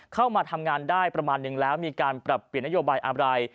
เข้ามาทำงานได้ประมาณนึงแล้วมีการปรับเปลี่ยนนโยบายอะไร